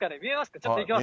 ちょっといきます。